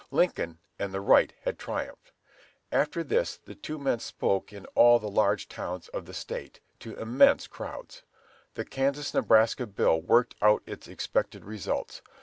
Lincoln and the right had triumphed. After this, the two men spoke in all the large towns of the State, to immense crowds. The Kansas Nebraska Bill worked out its expected results.